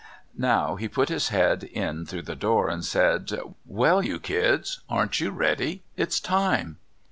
Now he put his head in through the door and said: "Well, you kids, aren't you ready? It's time!"